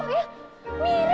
nggak mau bayar